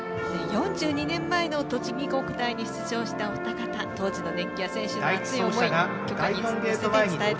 ４２年前の栃木国体に出場したお二方当時の熱気や選手の思い